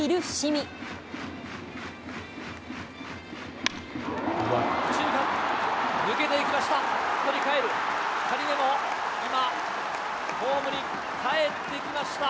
右中間、抜けていきました。